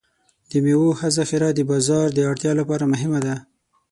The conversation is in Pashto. د میوو ښه ذخیره د بازار د اړتیا لپاره مهمه ده.